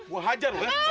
gue hajar lu ya